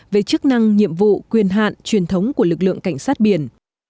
về chức năng nhiệm vụ quyền hạn truyền thống của lực lượng cảnh sát biển